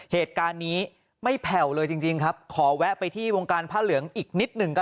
เหตุการณ์นี้ไม่แผ่วเลยจริงจริงครับขอแวะไปที่วงการผ้าเหลืองอีกนิดหนึ่งก็